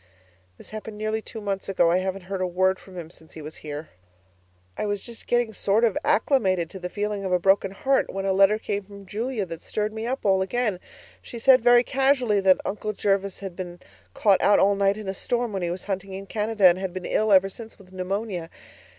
This happened nearly two months ago; I haven't heard a word from him since he was here. I was just getting sort of acclimated to the feeling of a broken heart, when a letter came from Julia that stirred me all up again. She said very casually that 'Uncle Jervis' had been caught out all night in a storm when he was hunting in Canada, and had been ill ever since with pneumonia.